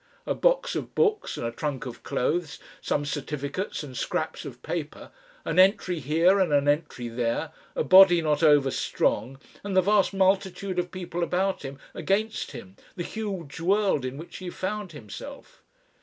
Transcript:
A box of books and a trunk of clothes, some certificates and scraps of paper, an entry here and an entry there, a body not over strong and the vast multitude of people about him against him the huge world in which he found himself!